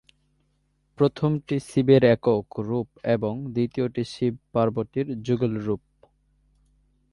প্রথমটি শিবের একক রূপ এবং দ্বিতীয়টি শিব-পার্বতীর যুগল রূপ।